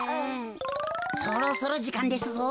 そろそろじかんですぞ。